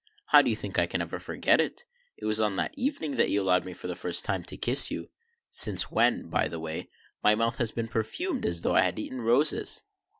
" How do you think I can ever forget it ? It was on that evening that you allowed me, for the first time, to kiss you, since when, by the way, my mouth has been perfumed as though I had eaten roses."